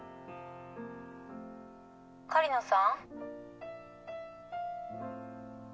「狩野さん？」